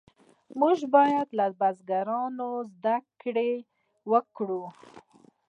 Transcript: موږ باید له بزرګانو زده کړه وکړو.